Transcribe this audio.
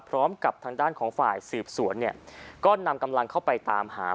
พร้อมกับทางด้านของฝ่ายสืบสวนเนี่ยก็นำกำลังเข้าไปตามหา